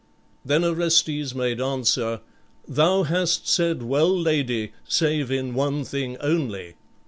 Then Orestes made answer, "Thou hast said well, lady, save in one thing only.